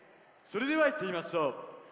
それではいってみましょう！